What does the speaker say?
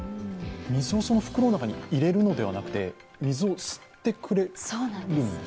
水を袋の中に入れるのではなくて水を吸ってくれるんですか？